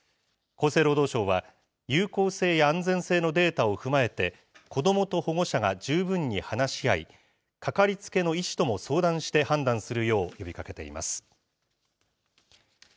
厚生労働省は、有効性や安全性のデータを踏まえて、子どもと保護者が十分に話し合い、かかりつけの医師とも相談して判断するよう呼びかけています。